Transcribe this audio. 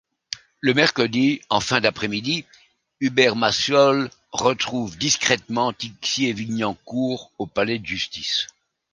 Le mercredi en fin d'après-midi, Hubert Massol retrouve discrètement Tixier-Vignancour au palais de justice.